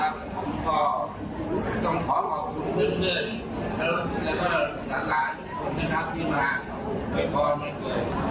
ขอร้อยทุกคนมีความสุขกว่าเกิด